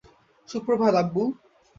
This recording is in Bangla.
সুপ্রভাত, আব্বু।